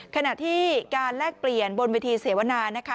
ขณะที่การแลกเปลี่ยนบนเวทีเสวนานะคะ